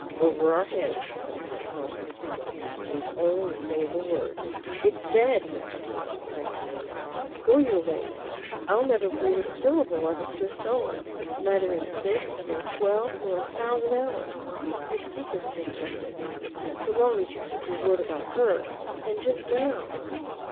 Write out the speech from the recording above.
"Over our heads," he said calmly. "And you've only to say the word " "It's said, Mr. Hollins!" I exclaimed. "Go your ways! I'll never breathe a syllable of it to a soul! Neither in six, nor twelve, nor a thousand hours! your secret's safe enough with me so long as you keep your word about her and just now!"